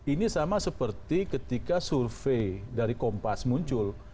ini sama seperti ketika survei dari kompas muncul